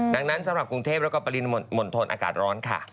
ดังนั้นสำหรับกรุงเทพแล้วก็ปริมณฑลอากาศร้อนค่ะ